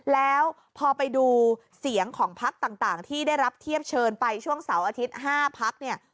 แล้วพอไปดูเสียงของพักต่างที่ได้รับเทียบเชิญไปช่วงเสาร์อาทิตย์๕พักเนี่ย